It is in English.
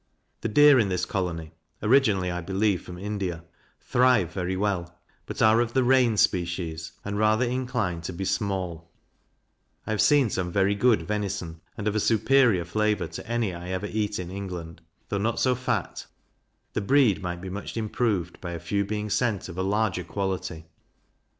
The deer in this colony (originally, I believe, from India) thrive very well, but are of the Rein species, and rather inclined to be small: I have seen some very good venison, and of a superior flavour to any I ever eat in England, though not so fat; the breed might be much improved by a few being sent of a larger quality.